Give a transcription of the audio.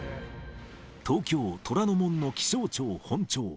東京・虎ノ門の気象庁・本庁。